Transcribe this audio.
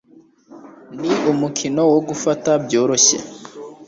ni umukino wo gufata byoroshye